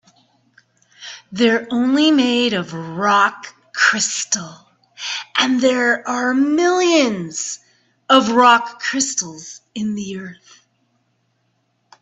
They're only made of rock crystal, and there are millions of rock crystals in the earth.